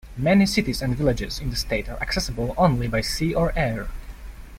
Many cities and villages in the state are accessible only by sea or air.